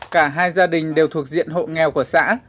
cả hai gia đình đều thuộc diện hộ nghèo của xã